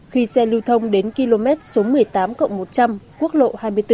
khi xe lưu thông đến km số một mươi tám cộng một trăm linh quốc lộ hai mươi bốn